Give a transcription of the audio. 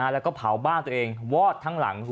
แล้วก็เผาบ้านตัวเองวอดทั้งหลัง